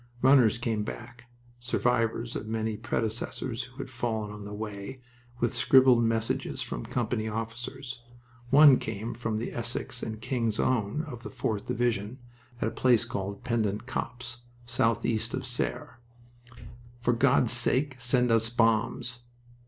Runners came back survivors of many predecessors who had fallen on the way with scribbled messages from company officers. One came from the Essex and King's Own of the 4th Division, at a place called Pendant Copse, southeast of Serre. "For God's sake send us bombs."